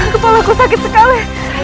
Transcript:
kepalaku sakit sekali